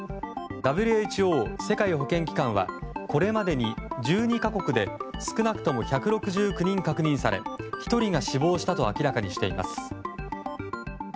ＷＨＯ・世界保健機関はこれまでに１２か国で少なくとも１６９人確認され１人が死亡したと明らかにしています。